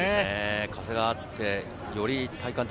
風があって、より体感的